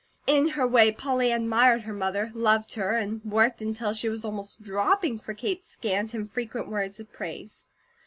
In her way, Polly admired her mother, loved her, and worked until she was almost dropping for Kate's scant, infrequent words of praise.